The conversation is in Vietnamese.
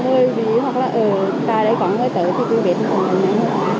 gửi ví hoặc là xài gửi cổng gửi tử thì cũng được thông báo nhé